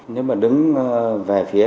nếu mà đứng về phía